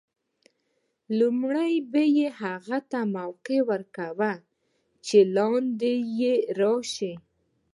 لومړی به یې هغو ته موقع ور کول چې لاندې راشي.